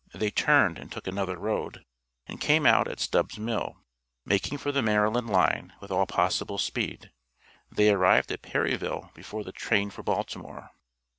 They turned and took another road, and came out at Stubb's Mill, making for the Maryland line with all possible speed; they arrived at Perryville before the train for Baltimore.